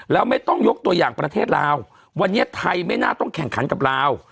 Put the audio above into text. แล้วไม่ต้องยกตัวอย่างประเทศลาววันนี้ไทยไม่น่าต้องแข่งขันกับลาว